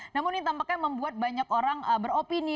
namun ini tampaknya membuat banyak orang beropini